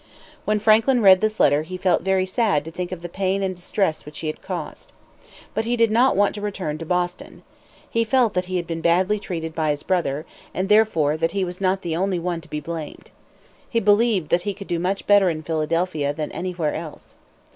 When Franklin read this letter he felt very sad to think of the pain and distress which he had caused. But he did not want to return to Boston. He felt that he had been badly treated by his brother, and, therefore, that he was not the only one to be blamed. He believed that he could do much better in Philadelphia than anywhere else.